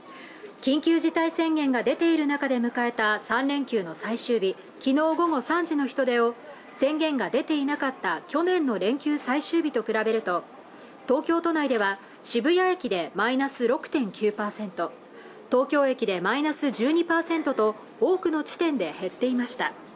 緊急事態宣言が出ている中で迎えた３連休の最終日昨日午後３時の人出を宣言が出ていなかった去年の連休最終日と比べると東京都内では渋谷駅でマイナス６．９％東京駅でマイナス１２％と多くの地点で減っていました